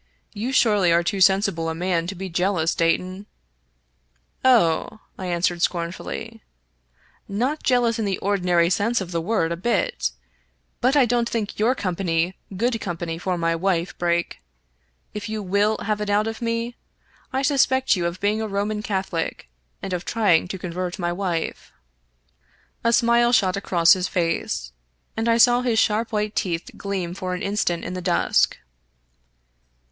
" You surely are too sensible a man to be jealous, Dayton." " Oh," I answered scornfully, " not jealous in the ordi nary sense of the word, a bit. But I don't think your company good company for my wife, Brake. If you will have it out of me, I suspect you of being a Roman Catho lic, and of trying to convert my wife." A smile shot across his face, and I saw his sharp white teeth gleam for an instant in the dusk.